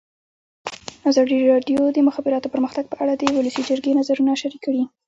ازادي راډیو د د مخابراتو پرمختګ په اړه د ولسي جرګې نظرونه شریک کړي.